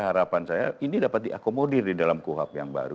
harapan saya ini dapat diakomodir di dalam kuhap yang baru